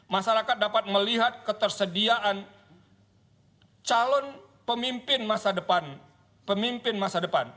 masyarakat dapat melihat ketersediaan calon pemimpin masa depan